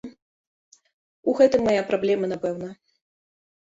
У гэтым мая праблема, напэўна.